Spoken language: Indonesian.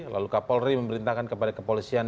lalu kapolri memerintahkan kepada kepolisian